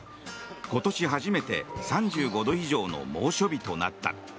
今年初めて３５度以上の猛暑日となった。